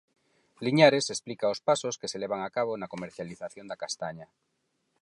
Liñares explica os pasos que se levan a cabo na comercialización da castaña.